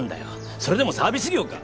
それでもサービス業か！